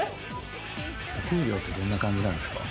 お給料って、どんな感じなんですか？